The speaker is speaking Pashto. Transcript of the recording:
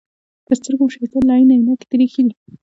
پر سترګو مو شیطان لعین عینکې در اېښي دي.